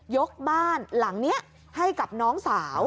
บ้านหลังนี้ให้กับน้องสาว